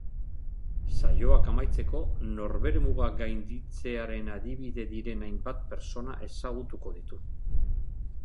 Saioak amaitzeko, norbere mugak gainditzearen adibide diren hainbat pertsona ezagutuko ditu.